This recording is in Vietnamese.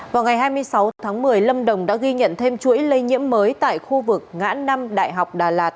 vào ngày hai mươi sáu tháng một mươi lâm đồng đã ghi nhận thêm chuỗi lây nhiễm mới tại khu vực ngã năm đại học đà lạt